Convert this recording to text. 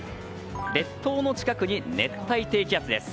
列島の近くに熱帯低気圧です。